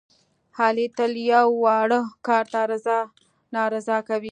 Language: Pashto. علي تل یوه واړه کار ته رضا نارضا کوي.